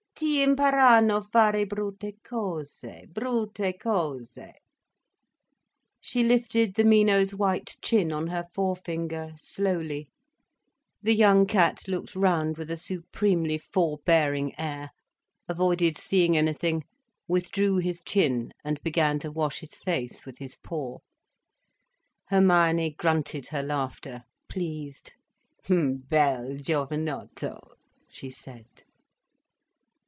"Ti imparano fare brutte cose, brutte cose—" She lifted the Mino's white chin on her forefinger, slowly. The young cat looked round with a supremely forbearing air, avoided seeing anything, withdrew his chin, and began to wash his face with his paw. Hermione grunted her laughter, pleased. "Bel giovanotto—" she said.